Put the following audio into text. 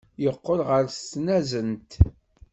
Yeqqel ɣer tnazent.